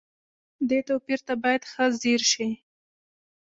دې توپير ته بايد ښه ځير شئ.